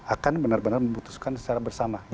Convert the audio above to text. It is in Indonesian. akan benar benar memutuskan secara bersama